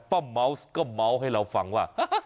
เมาส์ก็เมาส์ให้เราฟังว่า